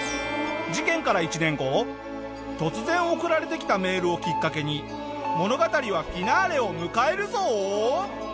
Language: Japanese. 事件から１年後突然送られてきたメールをきっかけに物語はフィナーレを迎えるぞ！